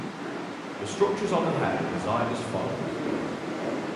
The structures on the head are designed as follows.